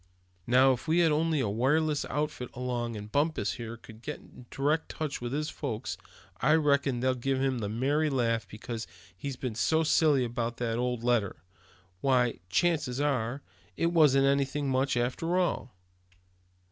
"Now, if we only had a wireless outfit along, and Bumpus, here, could get in direct touch with his folks, I reckon they'd give him the merry laugh because he's been so silly about that old letter. Why, chances are, it wasn't anything much, after all.